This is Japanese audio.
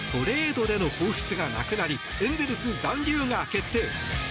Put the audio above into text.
注目されていたトレードでの放出がなくなりエンゼルス残留が決定。